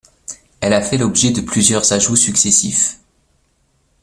Elle a fait l'objet de plusieurs ajouts successifs.